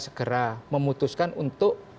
segera memutuskan untuk